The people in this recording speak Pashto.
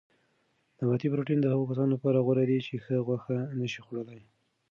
نباتي پروټین د هغو کسانو لپاره غوره دی چې غوښه نه شي خوړلای.